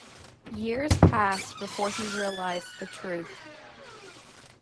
Years passed before he realized the truth.